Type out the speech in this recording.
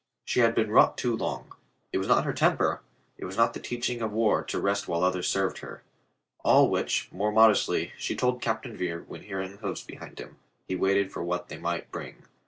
She had been wrought too long. It was not her temper; it was not the teaching of war to rest while others served her. All which, more modestly, she told Captain Vere, when hearing hoofs behind him, he waited for what they might bring.